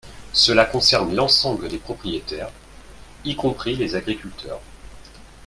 Cela concerne l’ensemble des propriétaires, y compris les agriculteurs.